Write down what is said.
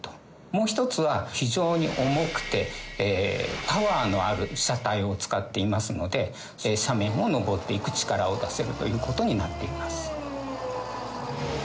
もう１つは非常に重くてパワーのある車体を使っていますので斜面を上っていく力を出せるということになっています。